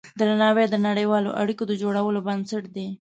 درناوی د نړیوالو اړیکو د جوړولو بنسټ دی.